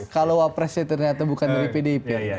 kalau wapresnya ternyata bukan dari pdip